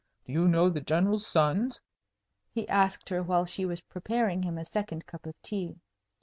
"Do you know the General's sons?" he asked her, while she was preparing him a second cup of tea.